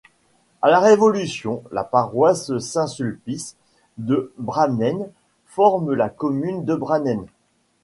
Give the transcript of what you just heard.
À la Révolution, la paroisse Saint-Sulpice de Brannens forme la commune de Brannens.